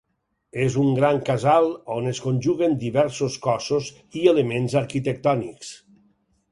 És un gran casal on es conjuguen diversos cossos i elements arquitectònics.